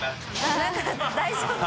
何か大丈夫？